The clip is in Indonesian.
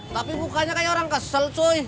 tapi mukanya kayak orang kesel soe